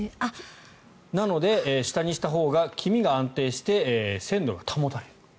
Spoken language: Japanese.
なので、下にしたほうが黄身が安定して鮮度が保たれる。